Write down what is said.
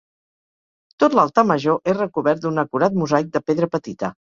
Tot l'altar major és recobert d'un acurat mosaic de pedra petita.